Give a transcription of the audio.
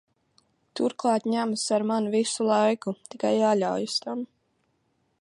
Turklāt ņemas ar mani visu laiku, tikai jāļaujas tam.